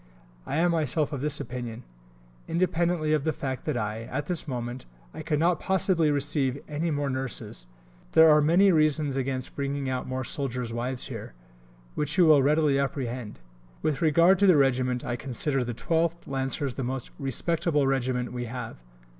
I am myself of this opinion. Independently of the fact that, at this moment, I could not possibly receive any more nurses, there are many reasons against bringing out more soldiers' wives here, which you will readily apprehend. With regard to the Regiment, I consider the 12th Lancers the most "respectable" Regiment we have.